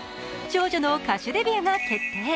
長女の歌手デビューが決定。